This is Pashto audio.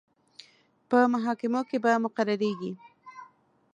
په محاکمو کې به مقرریږي.